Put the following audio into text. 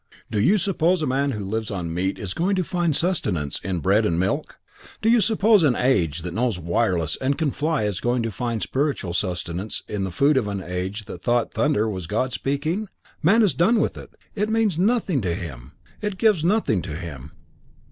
Do you suppose a man who lives on meat is going to find sustenance in bread and milk? Do you suppose an age that knows wireless and can fly is going to find spiritual sustenance in the food of an age that thought thunder was God speaking? Man's done with it. It means nothing to him; it gives nothing to him.